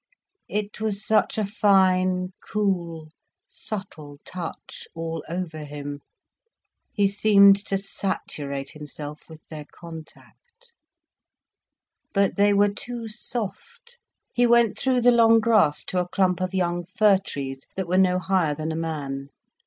It was such a fine, cool, subtle touch all over him, he seemed to saturate himself with their contact. But they were too soft. He went through the long grass to a clump of young fir trees, that were no higher than a man.